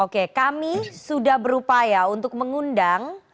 oke kami sudah berupaya untuk mengundang